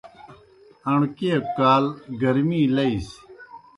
اݨکیکوْ کال گرمی لئی سیْ۔